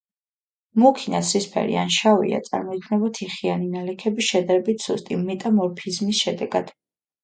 მუქი ნაცრისფერი ან შავია, წარმოიქმნება თიხიანი ნალექების შედარებით სუსტი მეტამორფიზმის შედეგად.